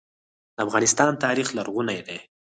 د افغانستان تاریخ لرغونی دی